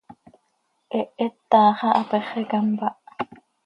Hehet taax ah hapéxeca mpáh.